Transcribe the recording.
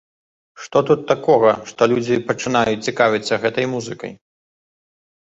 Што тут такога, што людзі пачынаюць цікавіцца гэтай музыкай?